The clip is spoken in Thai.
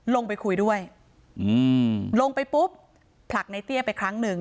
ลงไปคุยด้วยลงไปปุ๊บผลักในเตี้ยไปครั้งหนึ่ง